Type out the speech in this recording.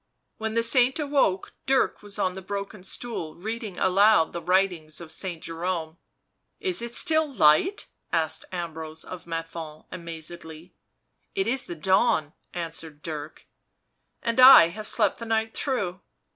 ... When the saint awoke, Dirk was on the broken stool reading aloud the writings of Saint Jerome. "Is it still light?" asked Ambrose of Menthon amazedly. "It is the dawn," answered Dirk. " And I have slept the night through."